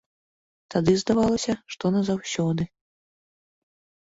Тады здавалася, што назаўсёды.